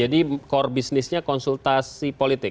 jadi core business nya konsultasi politik